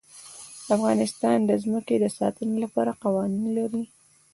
افغانستان د ځمکه د ساتنې لپاره قوانین لري.